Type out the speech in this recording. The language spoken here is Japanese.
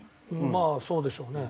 まあそうでしょうね。